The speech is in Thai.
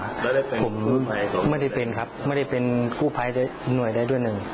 แล้วได้เป็นกู้ภัยตรงไหนไม่ได้เป็นครับไม่ได้เป็นกู้ภัยหน่วยได้ด้วยหนึ่ง